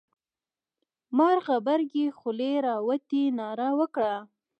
مار غبرگې خولې را وتې ناره وکړه.